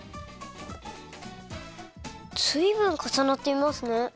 ずいぶんかさなっていますね。